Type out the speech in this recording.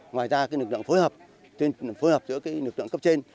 ngoài ra lực lượng phối hợp giữa lực lượng cấp trên